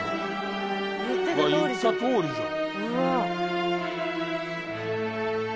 言ってたとおりじゃん。